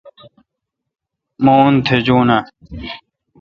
مہ ان تھجون اؘ۔